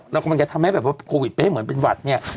แล้วมันก็จะทำให้แบบโควิดไปเหมือนเป็นหวัดเนี่ย